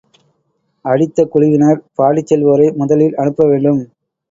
அடித்த குழுவினர், பாடிச் செல்வோரை முதலில் அனுப்ப வேண்டும்.